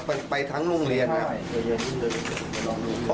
มันก็ไปทั้งโรงเรียนอ่ะ